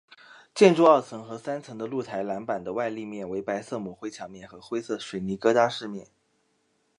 建筑二层和三层的露台栏板的外立面为白色抹灰墙面和灰色水泥疙瘩饰面。